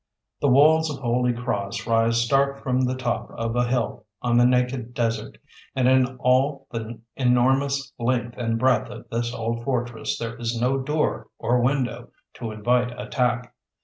The walls of Holy Cross rise stark from the top of a hill on the naked desert; and in all the enormous length and breadth of this old fortress there is no door or window to invite attack.